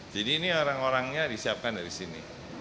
jadi ini orang orangnya disiapkan dari sini